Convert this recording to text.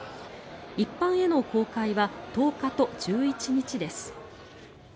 一般への公開は１０日と１１日です。